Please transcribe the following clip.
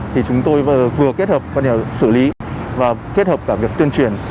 thì chúng tôi vừa kết hợp quan điểm xử lý và kết hợp cả việc tuyên truyền